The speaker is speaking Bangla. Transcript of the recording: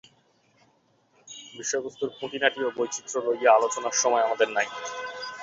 বিষয়বস্তুর খুঁটিনাটি ও বৈচিত্র্য লইয়া আলোচনার সময় আমাদের নাই।